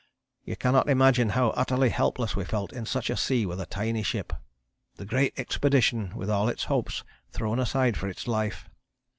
You cannot imagine how utterly helpless we felt in such a sea with a tiny ship, the great expedition with all its hopes thrown aside for its life.